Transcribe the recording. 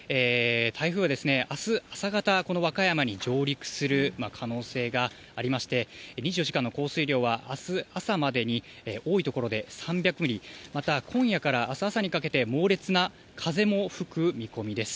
台風はあす朝方、この和歌山に上陸する可能性がありまして、２４時間の降水量はあす朝までに多い所で３００ミリ、また今夜からあす朝にかけて猛烈な風も吹く見込みです。